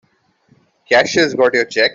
Cashier's got your check.